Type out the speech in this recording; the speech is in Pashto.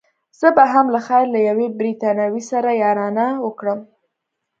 زه به هم له خیره له یوې بریتانوۍ سره یارانه وکړم.